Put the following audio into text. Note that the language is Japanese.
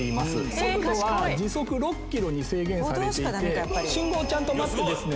速度は時速６キロに制限されていて信号ちゃんと待ってですね